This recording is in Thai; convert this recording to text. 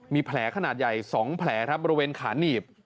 มีแผลขนาดใหญ่๒แผลครับบริเวณขาหนีบ